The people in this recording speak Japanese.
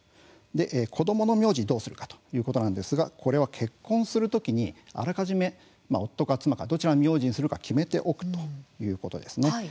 子どもの名字をどうするかということなんですがこれは結婚するときにあらかじめ夫か妻かどちらの名字にするか決めておくということです。